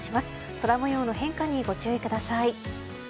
空模様の変化にご注意ください。